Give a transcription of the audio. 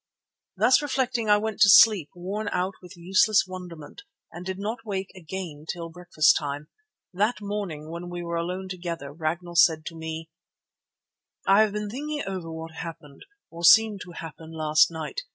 Thus reflecting I went to sleep worn out with useless wonderment, and did not wake again till breakfast time. That morning, when we were alone together, Ragnall said to me: "I have been thinking over what happened, or seemed to happen last night.